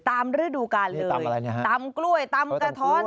ตามฤดูกาลเลยตำกล้วยตำกะท้อน